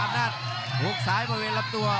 อำนาจหุ้กซ้ายบริเวณระปรับตัว